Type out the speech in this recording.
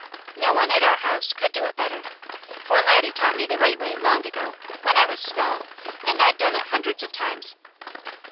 No one at our house could do it better, for Laddie taught me the right way long ago, when I was small, and I'd done it hundreds of times.